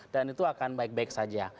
dan itu akan baik baik saja